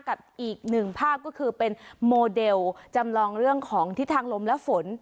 กับอีกหนึ่งภาพก็คือเป็นโมเดลจำลองเรื่องของทิศทางลมและฝน